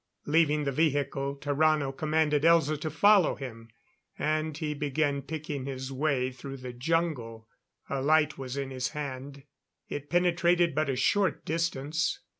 Leaving the vehicle, Tarrano commanded Elza to follow him; and he began picking his way through the jungle. A light was in his hand; it penetrated but a short distance.